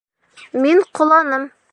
Мин ҡоланым.